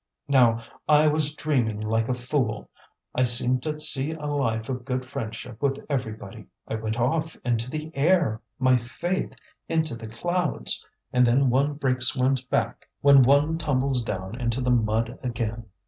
Now, I was dreaming like a fool; I seemed to see a life of good friendship with everybody; I went off into the air, my faith! into the clouds. And then one breaks one's back when one tumbles down into the mud again.